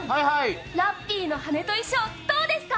ラッピーの跳人衣装、どうですか？